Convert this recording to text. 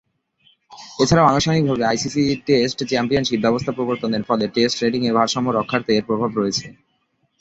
এছাড়াও আনুষ্ঠানিকভাবে ICC test championship ব্যবস্থা প্রবর্তনের ফলে টেস্ট রেটিংয়ে ভারসাম্য রক্ষার্থে এর প্রভাব রয়েছে।